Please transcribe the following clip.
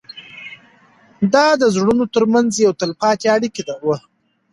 دا د زړونو تر منځ یوه تلپاتې اړیکه وه.